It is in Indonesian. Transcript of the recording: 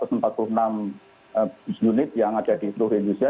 lab sekarang sudah satu ratus empat puluh enam unit yang ada di indonesia